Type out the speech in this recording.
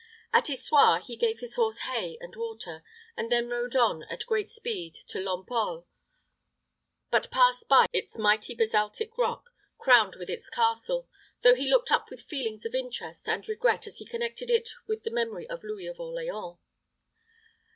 At Issoire he gave his horse hay and water, and then rode on at great speed to Lempole, but passed by its mighty basaltic rock, crowned with its castle, though he looked up with feelings of interest and regret as he connected it with the memory of Louis of Orleans.